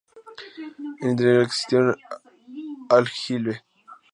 En el interior existía un aljibe.